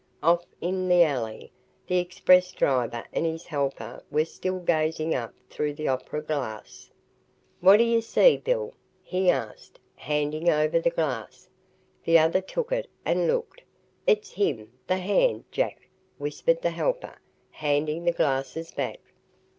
Off in the alley, the express driver and his helper were still gazing up through the opera glass. "What d'ye see, Bill?" he asked, handing over the glass. The other took it and looked. "It's him the Hand, Jack," whispered the helper, handing the glasses back.